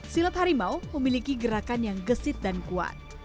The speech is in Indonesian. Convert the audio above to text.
silat harimau memiliki gerakan yang gesit dan kuat